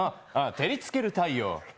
照りつける太陽。